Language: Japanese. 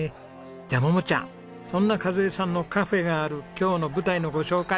じゃあ桃ちゃんそんな和枝さんのカフェがある今日の舞台のご紹介